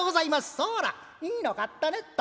「そらいいの買ったねっと。